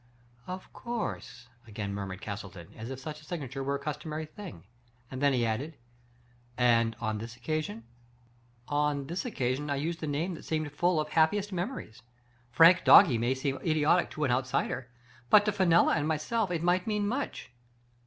" Of course," again murmured Castleton, as if such a signature was a customary thing. Then he added, "And on this occasion? "" On this occasion I used the name that seemed full of happiest memories. ' Frank Doggie ' may Digitized by Google I BHAM STOKER. I2I seem idiotic to an outsider, but to Fenella and myself it might mean much.'